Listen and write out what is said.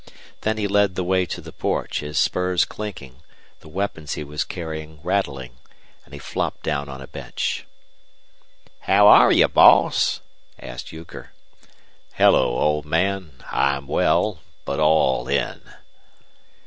Then he led the way to the porch, his spurs clinking, the weapons he was carrying rattling, and he flopped down on a bench. "How are you, boss?" asked Euchre. "Hello, old man. I'm well, but all in."